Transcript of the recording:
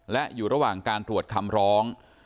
และอยู่ระหว่างการตรวจคำร้อง